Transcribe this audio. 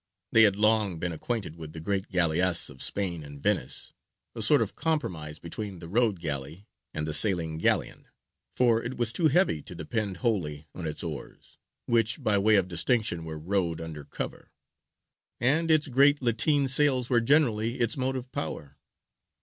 They had long been acquainted with the great galleasse of Spain and Venice, a sort of compromise between the rowed galley and the sailing galleon; for it was too heavy to depend wholly on its oars (which by way of distinction were rowed under cover), and its great lateen sails were generally its motive power.